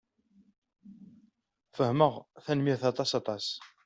Fehmeɣ. Tanemmirt aṭas aṭas.